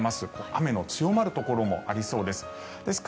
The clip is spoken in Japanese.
雨の強まるところもありそうです。